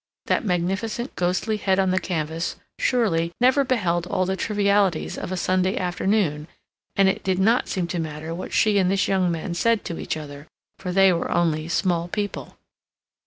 That magnificent ghostly head on the canvas, surely, never beheld all the trivialities of a Sunday afternoon, and it did not seem to matter what she and this young man said to each other, for they were only small people.